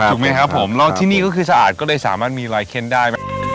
ถูกมั้ยครับผมแล้วที่นี่ก็คือสะอาดก็ได้สามารถมีไลเคนได้